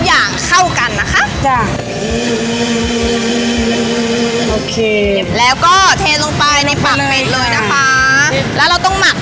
อันนี้ซอสพริก